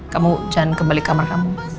kamu jangan kembali kamar kamu